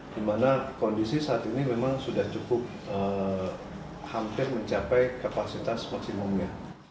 di mana kondisi saat ini memang sudah cukup hampir mencapai kapasitas maksimumnya